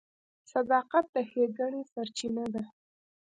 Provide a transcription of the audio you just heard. • صداقت د ښېګڼې سرچینه ده.